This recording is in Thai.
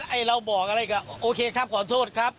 ไอ้เราบอกอะไรก็โอเคครับขอโทษครับ